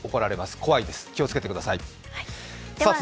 怖いです、気をつけてください。